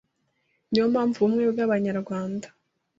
Niyo mpamvu ubumwe bw’Abanyarwanda